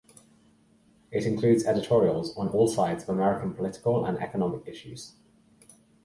It includes editorials on all sides of American political and economic issues.